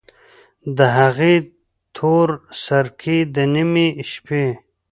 د هغې تورسرکي، د نیمې شپې